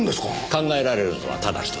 考えられるのはただ一つ。